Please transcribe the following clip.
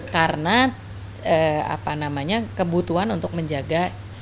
karena apa namanya kebutuhan untuk menjaga